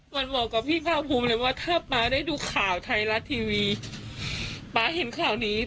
วันบอกกับพี่ภาคภูมิเลยว่าถ้าป๊าได้ดูข่าวไทยรัฐทีวีป๊าเห็นข่าวนี้